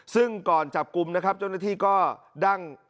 ซึ่งก่อนจับกลุ่มนะครับเจ้าหน้าที่ก็ดั้ง